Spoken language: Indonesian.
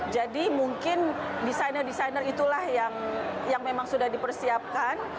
jadi mungkin desainer desainer itulah yang memang sudah dipersiapkan